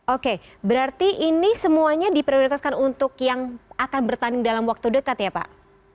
oke berarti ini semuanya diprioritaskan untuk yang akan bertanding dalam waktu dekat ya pak